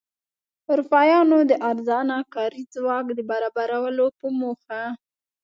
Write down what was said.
اروپایانو د ارزانه کاري ځواک د برابرولو په موخه.